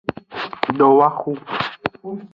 Dowoxu.